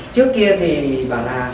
trước kia thì bảo là